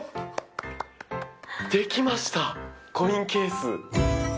できましたコインケース。